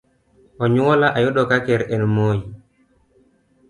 Onyuola ayudo ka ker en Moi.